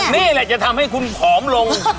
นี่แหละจะทำให้คุณผอมลง